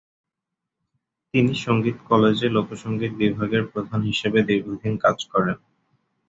তিনি সংগীত কলেজে লোকসঙ্গীত বিভাগের প্রধান হিসেবে দীর্ঘদিন কাজ করেন।